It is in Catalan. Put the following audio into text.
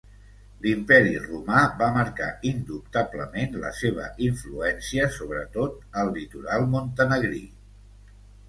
L'Imperi romà va marcar indubtablement la seva influència sobretot el litoral montenegrí.